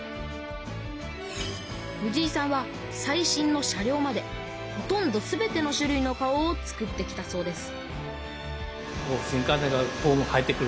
藤井さんは最新の車両までほとんど全ての種類の顔を作ってきたそうです